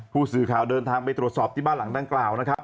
ผู้สื่อข่าวเดินทางไปตรวจสอบที่บ้านหลังดังกล่าวนะครับ